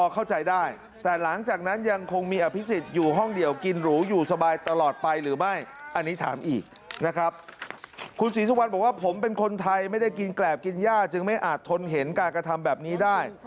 คุณศรีสุวรรณบอกว่าผมเป็นคนไทยไม่ได้กินแกรบกินย่าจึงไม่อาจทนเห็นการกระทำแบบนี้ได้